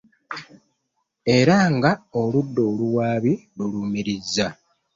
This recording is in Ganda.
Era nga oludda oluwaabi lulumiriza